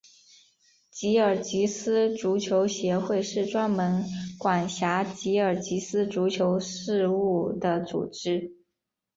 吉尔吉斯足球协会是专门管辖吉尔吉斯足球事务的组织。